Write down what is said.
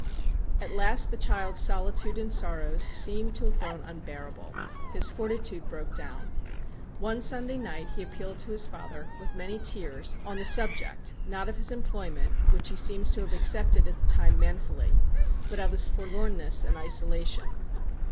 At last the child's solitude and sorrows seem to have grown unbearable. His fortitude broke down. One Sunday night he appealed to his father, with many tears, on the subject, not of his employment, which he seems to have accepted at the time manfully, but of his forlornness and isolation.